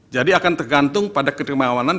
jadi akan tergantung pada ketermawanan